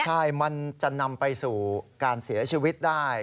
ใช่มันจะนำไปสู่การเสียชีวิตได้